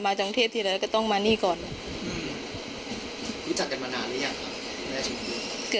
แม่น้องชมพู่แม่น้องชมพู่แม่น้องชมพู่